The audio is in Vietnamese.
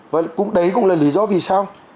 và đấy cũng là lý do vì sao